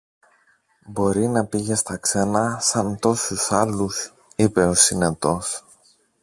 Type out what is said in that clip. Μπορεί να πήγε στα ξένα σαν τόσους άλλους, είπε ο Συνετός.